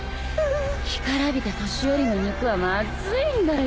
干からびた年寄りの肉はまずいんだよ。